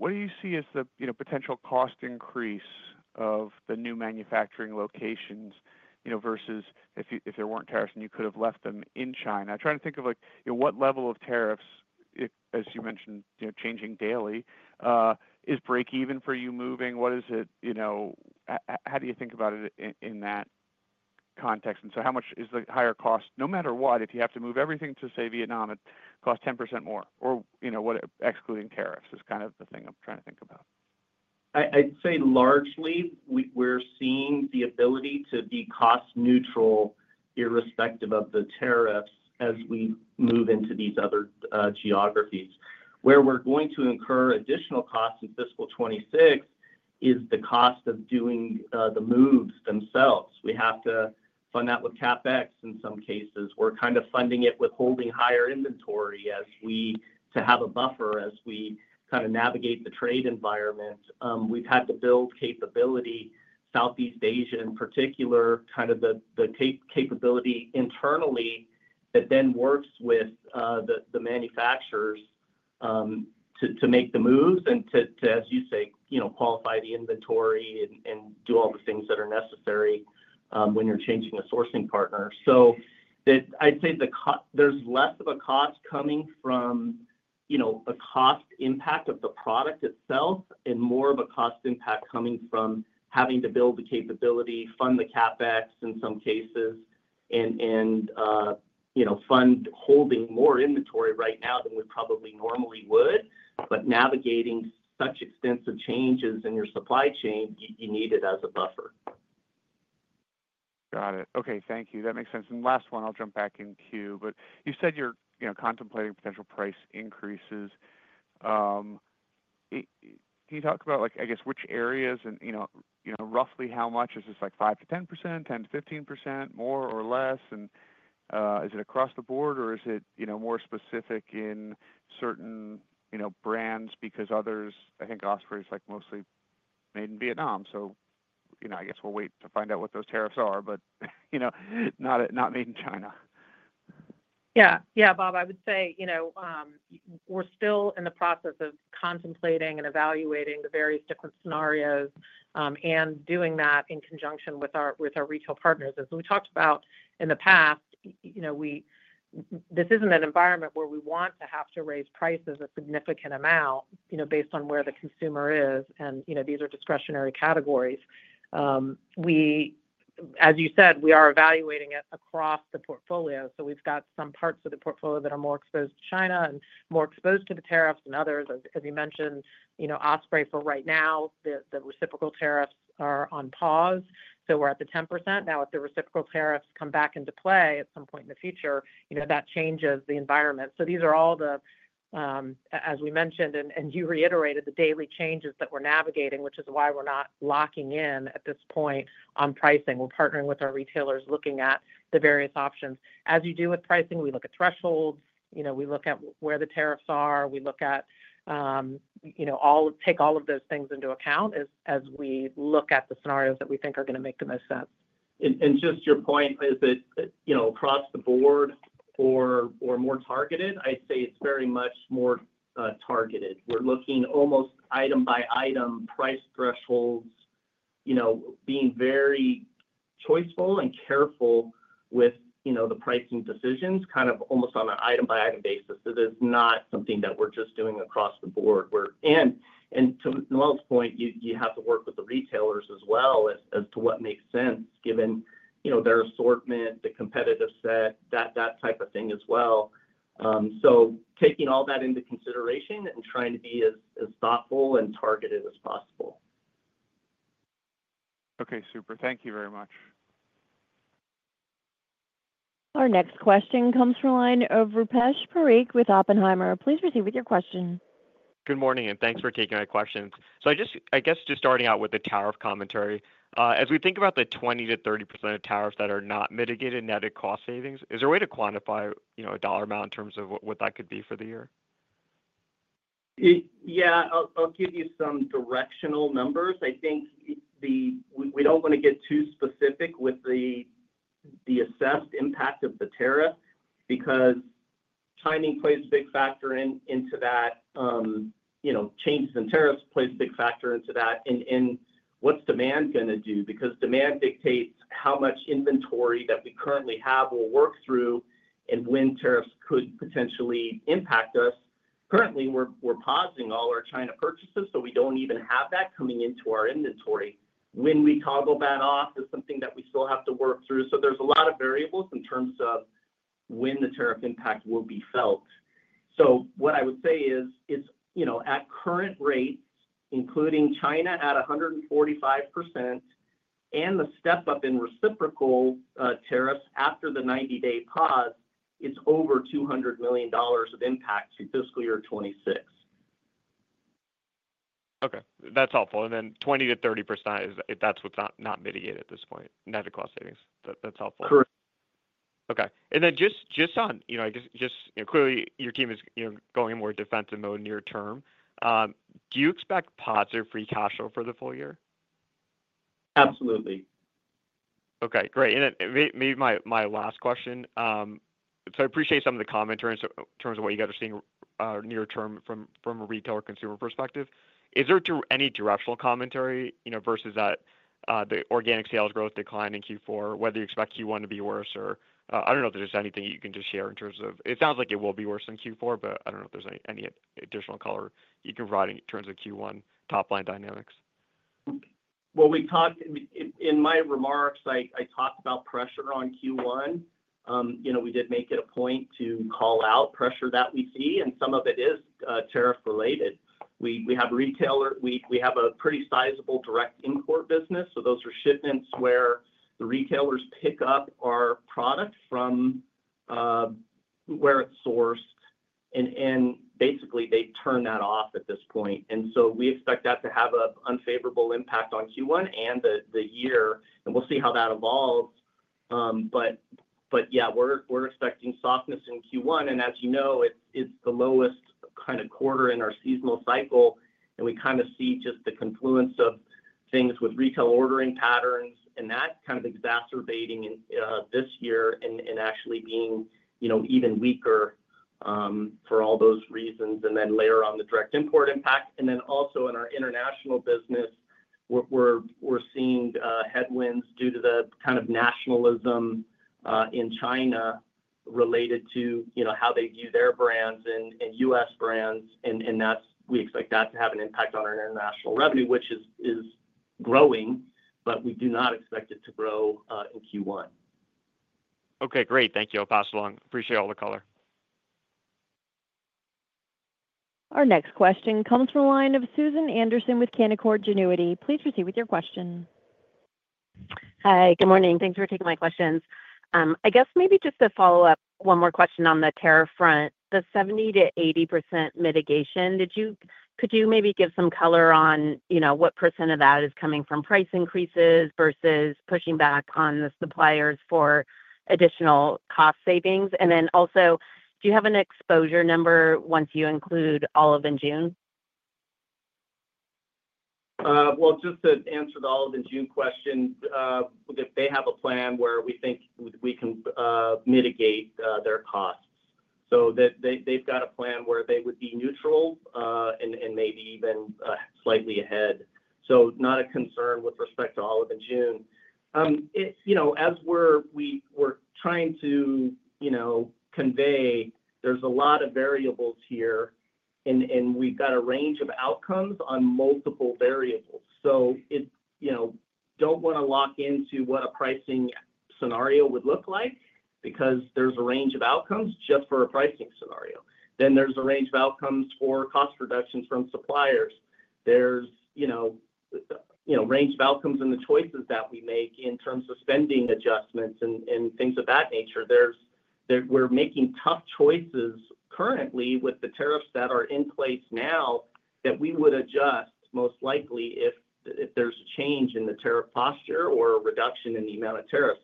do you see as the potential cost increase of the new manufacturing locations versus if there were not tariffs and you could have left them in China? I'm trying to think of what level of tariffs, as you mentioned, changing daily, is break-even for you moving. What is it? How do you think about it in that context? How much is the higher cost, no matter what, if you have to move everything to, say, Vietnam, it costs 10% more? Excluding tariffs is kind of the thing I'm trying to think about. I'd say largely we're seeing the ability to be cost-neutral irrespective of the tariffs as we move into these other geographies. Where we're going to incur additional costs in fiscal 2026 is the cost of doing the moves themselves. We have to fund that with CapEx in some cases. We're kind of funding it with holding higher inventory to have a buffer as we kind of navigate the trade environment. We've had to build capability, Southeast Asia in particular, kind of the capability internally that then works with the manufacturers to make the moves and to, as you say, qualify the inventory and do all the things that are necessary when you're changing a sourcing partner. I'd say there's less of a cost coming from a cost impact of the product itself and more of a cost impact coming from having to build the capability, fund the CapEx in some cases, and fund holding more inventory right now than we probably normally would. Navigating such extensive changes in your supply chain, you need it as a buffer. Got it. Okay. Thank you. That makes sense. Last one, I'll jump back in queue. You said you're contemplating potential price increases. Can you talk about, I guess, which areas and roughly how much? Is this like 5%-10%, 10%-15%, more or less? Is it across the board, or is it more specific in certain brands because others? I think Osprey's mostly made in Vietnam, so I guess we'll wait to find out what those tariffs are, but not made in China. Yeah. Yeah, Bob. I would say we're still in the process of contemplating and evaluating the various different scenarios and doing that in conjunction with our retail partners. As we talked about in the past, this isn't an environment where we want to have to raise prices a significant amount based on where the consumer is, and these are discretionary categories. As you said, we are evaluating it across the portfolio. We've got some parts of the portfolio that are more exposed to China and more exposed to the tariffs than others. As you mentioned, Osprey for right now, the reciprocal tariffs are on pause. We're at the 10%. Now, if the reciprocal tariffs come back into play at some point in the future, that changes the environment. These are all the, as we mentioned, and you reiterated, the daily changes that we're navigating, which is why we're not locking in at this point on pricing. We're partnering with our retailers, looking at the various options. As you do with pricing, we look at thresholds. We look at where the tariffs are. We take all of those things into account as we look at the scenarios that we think are going to make the most sense. Just to your point, is it across the board or more targeted? I'd say it's very much more targeted. We're looking almost item by item, price thresholds, being very choiceful and careful with the pricing decisions, kind of almost on an item-by-item basis. It is not something that we're just doing across the board. To Noel's point, you have to work with the retailers as well as to what makes sense given their assortment, the competitive set, that type of thing as well. Taking all that into consideration and trying to be as thoughtful and targeted as possible. Okay. Super. Thank you very much. Our next question comes from a line of Rupesh Parikh with Oppenheimer. Please proceed with your question. Good morning, and thanks for taking my questions. I guess just starting out with the tariff commentary, as we think about the 20%-30% of tariffs that are not mitigated netted cost savings, is there a way to quantify a dollar amount in terms of what that could be for the year? Yeah. I'll give you some directional numbers. I think we don't want to get too specific with the assessed impact of the tariff because timing plays a big factor into that. Changes in tariffs play a big factor into that. What's demand going to do? Because demand dictates how much inventory that we currently have will work through and when tariffs could potentially impact us. Currently, we're pausing all our China purchases, so we don't even have that coming into our inventory. When we toggle that off, it's something that we still have to work through. There are a lot of variables in terms of when the tariff impact will be felt. What I would say is, at current rates, including China at 145% and the step-up in reciprocal tariffs after the 90-day pause, it's over $200 million of impact through fiscal year 2026. Okay. That's helpful. 20%-30%, that is what is not mitigated at this point, netted cost savings. That is helpful. Correct. Okay. Just on, I guess, just clearly, your team is going in more defensive mode near term. Do you expect positive free cash flow for the full year? Absolutely. Okay. Great. Maybe my last question. I appreciate some of the commentary in terms of what you guys are seeing near term from a retailer consumer perspective. Is there any directional commentary versus that the organic sales growth decline in Q4, whether you expect Q1 to be worse or I do not know if there is anything you can just share in terms of it sounds like it will be worse than Q4, but I do not know if there is any additional color you can provide in terms of Q1 top-line dynamics. In my remarks, I talked about pressure on Q1. We did make it a point to call out pressure that we see, and some of it is tariff-related. We have a pretty sizable direct import business, so those are shipments where the retailers pick up our product from where it's sourced, and basically, they turn that off at this point. We expect that to have an unfavorable impact on Q1 and the year, and we'll see how that evolves. Yeah, we're expecting softness in Q1. As you know, it's the lowest kind of quarter in our seasonal cycle, and we kind of see just the confluence of things with retail ordering patterns and that kind of exacerbating this year and actually being even weaker for all those reasons. Later on, the direct import impact. Also in our international business, we're seeing headwinds due to the kind of nationalism in China related to how they view their brands and U.S. brands. We expect that to have an impact on our international revenue, which is growing, but we do not expect it to grow in Q1. Okay. Great. Thank you, I'll pass it along. Appreciate all the color. Our next question comes from a line of Susan Anderson with Canaccord Genuity. Please proceed with your question. Hi. Good morning. Thanks for taking my questions. I guess maybe just to follow up one more question on the tariff front. The 70%-80% mitigation, could you maybe give some color on what percent of that is coming from price increases versus pushing back on the suppliers for additional cost savings? Do you have an exposure number once you include Olive & June? Just to answer the Olive & June question, they have a plan where we think we can mitigate their costs. They have a plan where they would be neutral and maybe even slightly ahead. Not a concern with respect to Olive & June. As we are trying to convey, there are a lot of variables here, and we have a range of outcomes on multiple variables. I do not want to lock into what a pricing scenario would look like because there is a range of outcomes just for a pricing scenario. There is a range of outcomes for cost reductions from suppliers. There is a range of outcomes in the choices that we make in terms of spending adjustments and things of that nature. We're making tough choices currently with the tariffs that are in place now that we would adjust most likely if there's a change in the tariff posture or a reduction in the amount of tariffs.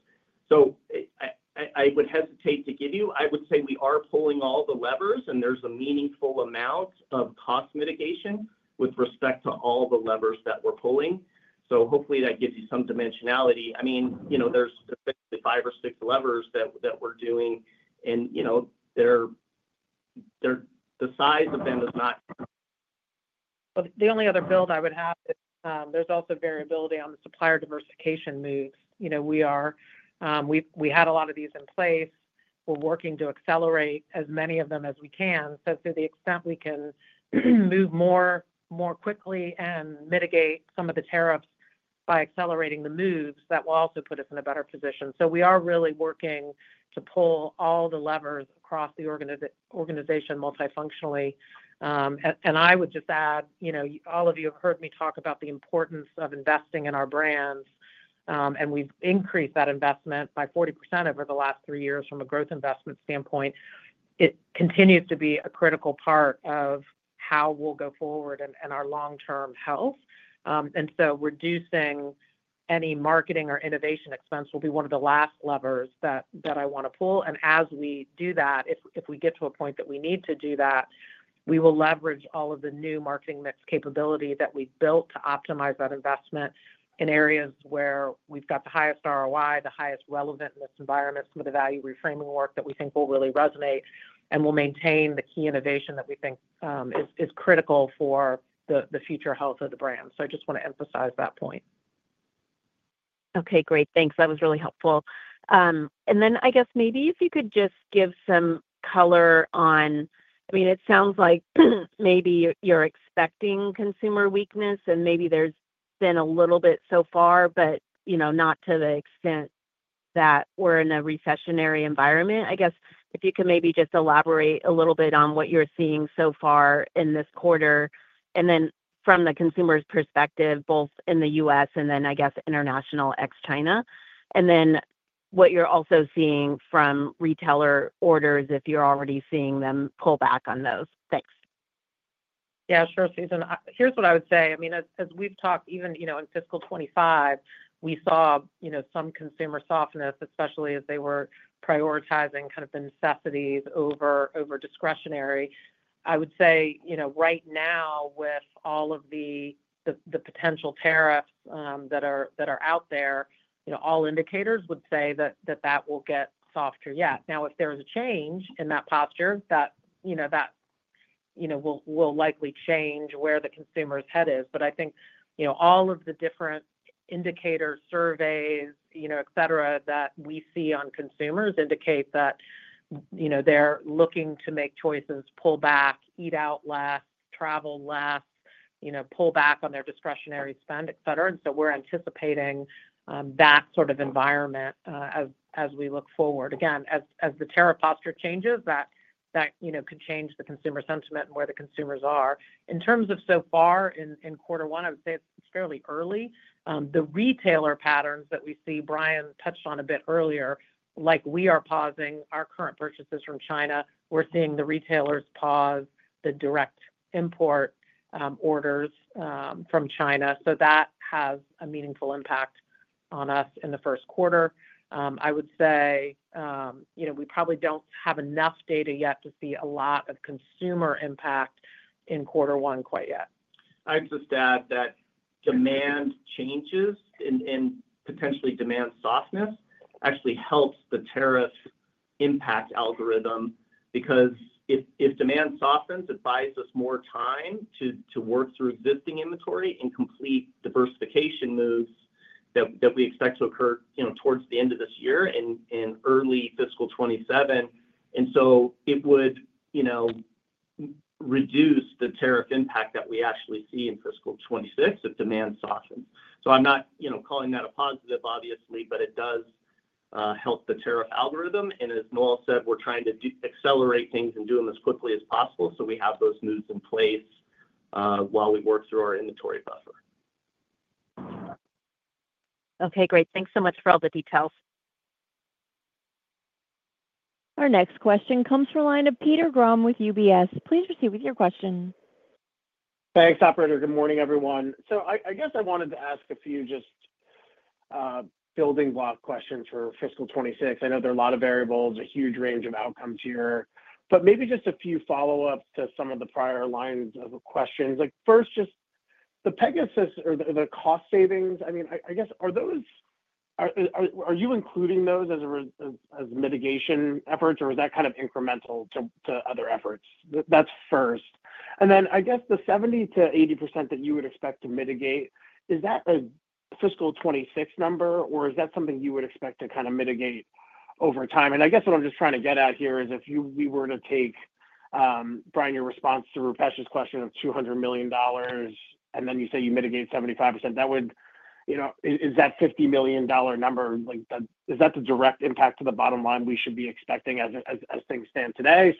I would hesitate to give you, I would say we are pulling all the levers, and there's a meaningful amount of cost mitigation with respect to all the levers that we're pulling. Hopefully, that gives you some dimensionality. I mean, there's five or six levers that we're doing, and the size of them is not. The only other build I would have is there's also variability on the supplier diversification moves. We had a lot of these in place. We're working to accelerate as many of them as we can. To the extent we can move more quickly and mitigate some of the tariffs by accelerating the moves, that will also put us in a better position. We are really working to pull all the levers across the organization multifunctionally. I would just add, all of you have heard me talk about the importance of investing in our brands, and we've increased that investment by 40% over the last three years from a growth investment standpoint. It continues to be a critical part of how we'll go forward and our long-term health. Reducing any marketing or innovation expense will be one of the last levers that I want to pull. As we do that, if we get to a point that we need to do that, we will leverage all of the new marketing mix capability that we have built to optimize that investment in areas where we have the highest ROI, the highest relevantness environment, some of the value reframing work that we think will really resonate, and we will maintain the key innovation that we think is critical for the future health of the brand. I just want to emphasize that point. Okay. Great. Thanks. That was really helpful. I guess maybe if you could just give some color on, I mean, it sounds like maybe you are expecting consumer weakness, and maybe there has been a little bit so far, but not to the extent that we are in a recessionary environment. I guess if you could maybe just elaborate a little bit on what you're seeing so far in this quarter, and then from the consumer's perspective, both in the U.S. and then, I guess, international ex-China. And then what you're also seeing from retailer orders, if you're already seeing them pull back on those. Thanks. Yeah. Sure, Susan. Here's what I would say. I mean, as we've talked, even in fiscal 2025, we saw some consumer softness, especially as they were prioritizing kind of the necessities over discretionary. I would say right now, with all of the potential tariffs that are out there, all indicators would say that that will get softer yet. Now, if there's a change in that posture, that will likely change where the consumer's head is. I think all of the different indicators, surveys, etc., that we see on consumers indicate that they're looking to make choices, pull back, eat out less, travel less, pull back on their discretionary spend, etc. We are anticipating that sort of environment as we look forward. Again, as the tariff posture changes, that could change the consumer sentiment and where the consumers are. In terms of so far in quarter one, I would say it's fairly early. The retailer patterns that we see, Brian touched on a bit earlier, like we are pausing our current purchases from China, we're seeing the retailers pause the direct import orders from China. That has a meaningful impact on us in the first quarter. I would say we probably do not have enough data yet to see a lot of consumer impact in quarter one quite yet. I'd just add that demand changes and potentially demand softness actually helps the tariff impact algorithm because if demand softens, it buys us more time to work through existing inventory and complete diversification moves that we expect to occur towards the end of this year and early fiscal 2027. It would reduce the tariff impact that we actually see in fiscal 2026 if demand softens. I'm not calling that a positive, obviously, but it does help the tariff algorithm. As Noel said, we're trying to accelerate things and do them as quickly as possible so we have those moves in place while we work through our inventory buffer. Okay. Great. Thanks so much for all the details. Our next question comes from a line of Peter Grom with UBS. Please proceed with your question. Thanks, operator. Good morning, everyone. I guess I wanted to ask a few just building block questions for fiscal 2026. I know there are a lot of variables, a huge range of outcomes here. Maybe just a few follow-ups to some of the prior lines of questions. First, just the Pegasus or the cost savings, I mean, are you including those as mitigation efforts, or is that kind of incremental to other efforts? That is first. I guess the 70%-80% that you would expect to mitigate, is that a fiscal 2026 number, or is that something you would expect to kind of mitigate over time? What I am just trying to get at here is if we were to take, Brian, your response to Rupesh's question of $200 million, and then you say you mitigate 75%, is that $50 million number? Is that the direct impact to the bottom line we should be expecting as things stand today?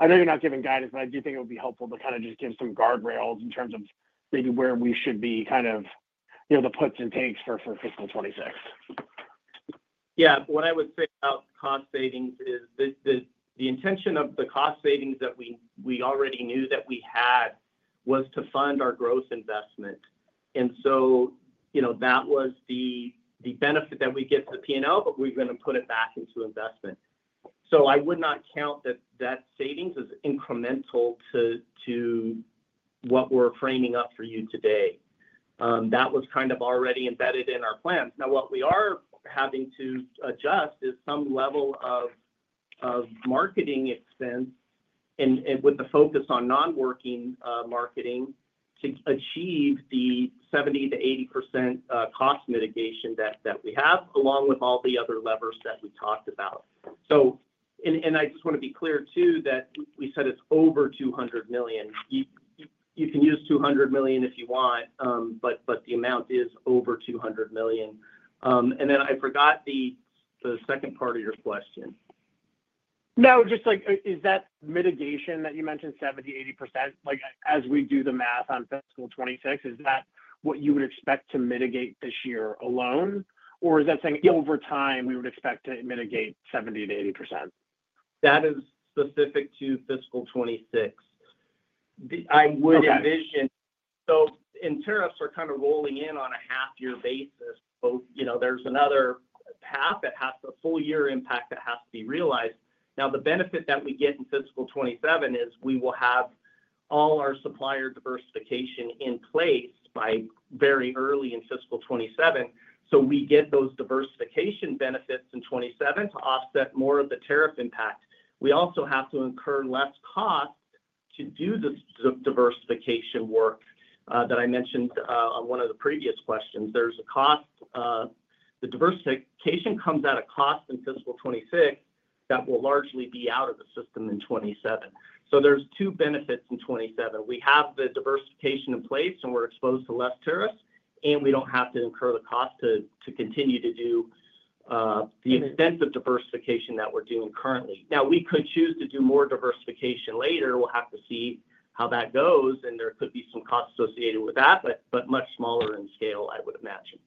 I know you're not giving guidance, but I do think it would be helpful to kind of just give some guardrails in terms of maybe where we should be kind of the puts and takes for fiscal 2026. Yeah. What I would say about cost savings is the intention of the cost savings that we already knew that we had was to fund our growth investment. That was the benefit that we get to the P&L, but we're going to put it back into investment. I would not count that that savings is incremental to what we're framing up for you today. That was kind of already embedded in our plans. Now, what we are having to adjust is some level of marketing expense with the focus on non-working marketing to achieve the 70%-80% cost mitigation that we have, along with all the other levers that we talked about. I just want to be clear too that we said it's over $200 million. You can use $200 million if you want, but the amount is over $200 million. I forgot the second part of your question. No, just is that mitigation that you mentioned, 70%-80%, as we do the math on fiscal 2026, is that what you would expect to mitigate this year alone, or is that saying over time we would expect to mitigate 70%-80%? That is specific to fiscal 2026. I would envision so in tariffs, we're kind of rolling in on a half-year basis. There's another path that has the full year impact that has to be realized. Now, the benefit that we get in fiscal 2027 is we will have all our supplier diversification in place by very early in fiscal 2027. So we get those diversification benefits in 2027 to offset more of the tariff impact. We also have to incur less cost to do the diversification work that I mentioned on one of the previous questions. There's a cost. The diversification comes at a cost in fiscal 2026 that will largely be out of the system in 2027. So there's two benefits in 2027. We have the diversification in place, and we're exposed to less tariffs, and we don't have to incur the cost to continue to do the extensive diversification that we're doing currently. Now, we could choose to do more diversification later. We'll have to see how that goes, and there could be some costs associated with that, but much smaller in scale, I would imagine.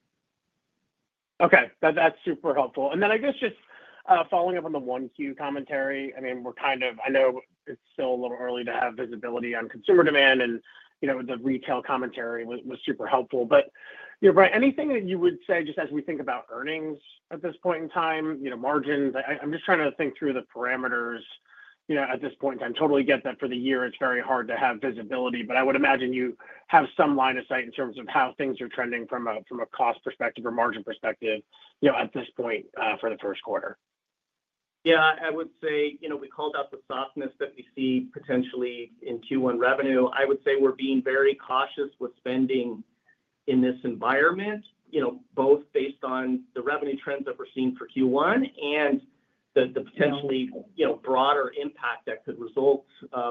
Okay. That's super helpful. I guess just following up on the 1Q commentary, I mean, we're kind of I know it's still a little early to have visibility on consumer demand, and the retail commentary was super helpful. Brian, anything that you would say just as we think about earnings at this point in time, margins? I'm just trying to think through the parameters at this point in time. Totally get that for the year, it's very hard to have visibility, but I would imagine you have some line of sight in terms of how things are trending from a cost perspective or margin perspective at this point for the first quarter. Yeah. I would say we called out the softness that we see potentially in Q1 revenue. I would say we're being very cautious with spending in this environment, both based on the revenue trends that we're seeing for Q1 and the potentially broader impact that could result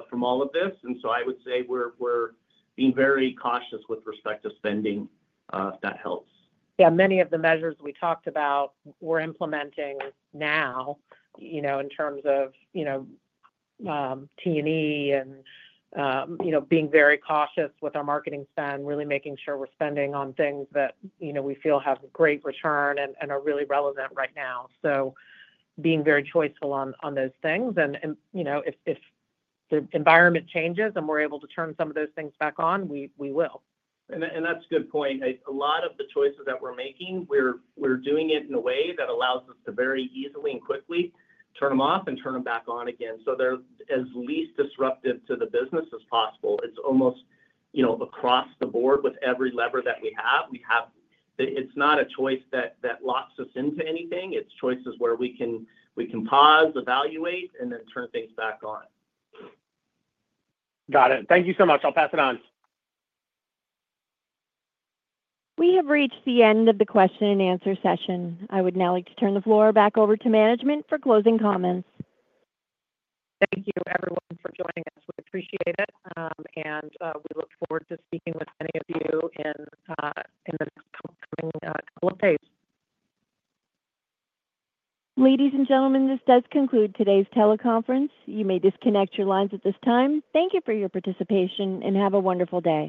from all of this. I would say we're being very cautious with respect to spending, if that helps. Yeah. Many of the measures we talked about, we're implementing now in terms of T&E and being very cautious with our marketing spend, really making sure we're spending on things that we feel have great return and are really relevant right now. Being very choiceful on those things. If the environment changes and we're able to turn some of those things back on, we will. That's a good point. A lot of the choices that we're making, we're doing it in a way that allows us to very easily and quickly turn them off and turn them back on again. They are as least disruptive to the business as possible. It is almost across the board with every lever that we have. It is not a choice that locks us into anything. It is choices where we can pause, evaluate, and then turn things back on. Got it. Thank you so much. I'll pass it on. We have reached the end of the question-and-answer session. I would now like to turn the floor back over to management for closing comments. Thank you, everyone, for joining us. We appreciate it. We look forward to speaking with many of you in the coming couple of days. Ladies and gentlemen, this does conclude today's teleconference. You may disconnect your lines at this time. Thank you for your participation, and have a wonderful day.